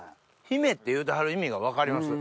「ひめ」っていうてはる意味が分かります。